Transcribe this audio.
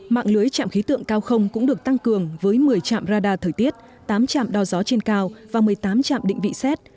mạng lưới chạm khí tượng cao không cũng được tăng cường với một mươi chạm radar thời tiết tám chạm đo gió trên cao và một mươi tám chạm định vị xét